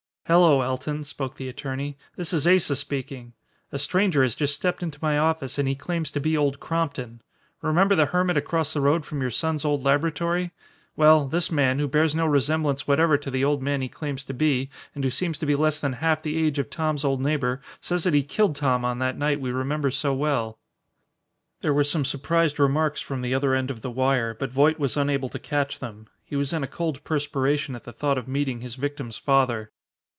"Hello, Alton," spoke the attorney, "this is Asa speaking. A stranger has just stepped into my office and he claims to be Old Crompton. Remember the hermit across the road from your son's old laboratory? Well, this man, who bears no resemblance whatever to the old man he claims to be and who seems to be less than half the age of Tom's old neighbor, says that he killed Tom on that night we remember so well." There were some surprised remarks from the other end of the wire, but Voight was unable to catch them. He was in a cold perspiration at the thought of meeting his victim's father.